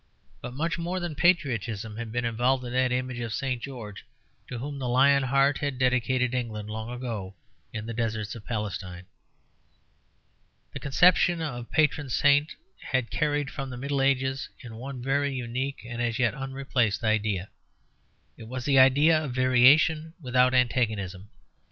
But much more than patriotism had been involved in that image of St. George to whom the Lion Heart had dedicated England long ago in the deserts of Palestine. The conception of a patron saint had carried from the Middle Ages one very unique and as yet unreplaced idea. It was the idea of variation without antagonism.